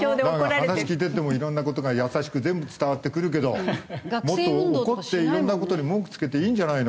話聞いててもいろんな事が優しく全部伝わってくるけどもっと怒っていろんな事に文句つけていいんじゃないの？